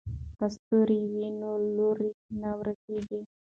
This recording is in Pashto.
که ستوری وي نو لوری نه ورکیږي.